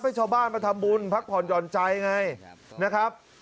ให้ชาวบ้านมาทำบุญพักผ่อนหย่อนใจไงนะครับ